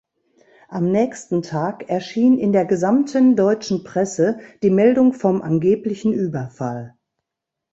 Am nächsten Tag erschien in der gesamten deutschen Presse die Meldung vom angeblichen Überfall.